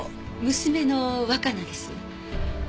娘の若菜です。